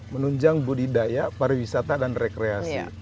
menunjang budidaya pariwisata dan rekreasi